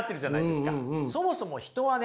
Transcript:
そもそも人はね